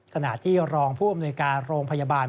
ขณะที่รองผู้อำนวยการโรงพยาบาล